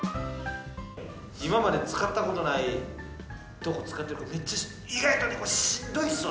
今まで使ったことないとこを、使って、めっちゃ、意外とこれしんどいですわ。